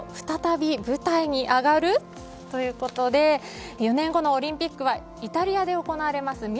再び舞台に上がる？ということで４年後のオリンピックはイタリアで行われます